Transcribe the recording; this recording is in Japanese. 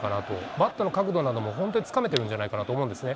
バットの角度なども、本当につかめてるんじゃないかなと思うんですね。